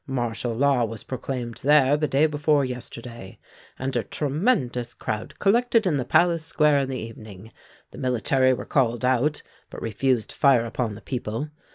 Martial law was proclaimed there the day before yesterday; and a tremendous crowd collected in the Palace square in the evening. The military were called out, but refused to fire upon the people.